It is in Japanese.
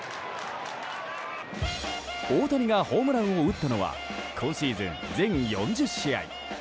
大谷がホームランを打ったのは今シーズン全４０試合。